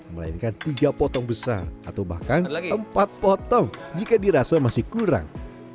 melainkan tiga potong besar atau bahkan tempat potong jika dirasa masih kurang